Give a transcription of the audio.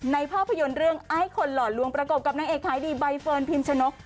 ภาพยนตร์เรื่องไอ้คนหล่อลวงประกบกับนางเอกขายดีใบเฟิร์นพิมชนก